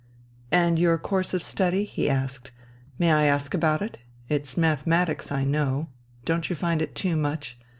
"And your course of study?" he asked. "May I ask about it? It's mathematics, I know. Don't you find it too much?